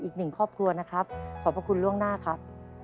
อีกหนึ่งครอบครัวนะครับขอบพระคุณล่วงหน้าครับ